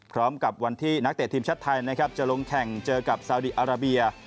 พร้อมกับวันที่นักเตะทีมชาติไทยนะครับจะลงแข่งเจอกับซาวดีอาราเบีย